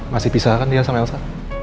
masih pisah kan dia sama elsa